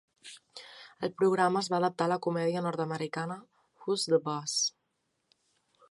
El programa es va adaptar a la comèdia nord-americana "Who's the Boss?".